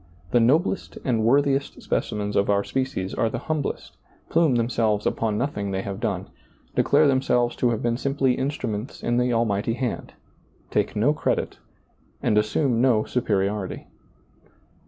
The noblest and worthiest specimens of our species are the hum blest, plume themselves upon nothing they have done, declare themselves to have been simply instruments in the Almighty Hand, take no credit, and assume no superiority.